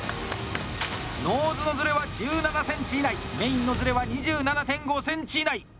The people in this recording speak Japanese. ノーズのズレは１７ｃｍ以内メインのズレは２７．５ｃｍ以内。